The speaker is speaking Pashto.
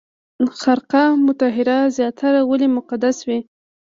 خرقه مطهره زیارت ولې مقدس دی؟